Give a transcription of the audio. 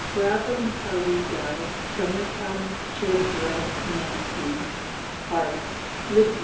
"Gravem Pelidae stomachum cedere nescii." HORACE, lib.